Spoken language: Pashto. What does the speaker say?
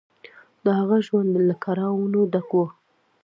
د هغه ژوند له کړاوونو ډک و.